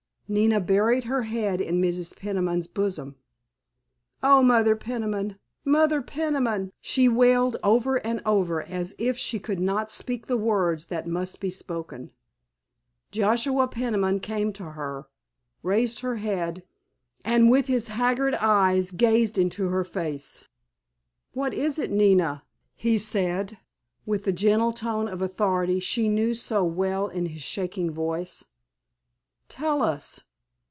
_" Nina buried her head in Mrs. Peniman's bosom. "Oh, Mother Peniman, Mother Peniman," she wailed over and over as if she could not speak the words that must be spoken. Joshua Peniman came to her, raised her head, and with his haggard eyes gazed into her face. "What is it, Nina?" he said, with the gentle tone of authority she knew so well in his shaking voice. "Tell us.